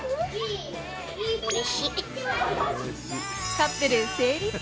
カップル成立！